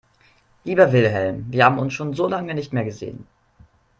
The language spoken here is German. Lieber Wilhelm, wir haben uns schon so lange nicht mehr gesehen.